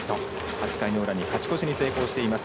８回の裏に勝ち越しに成功しています。